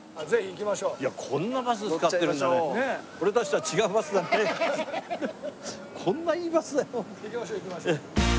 行きましょう行きましょう。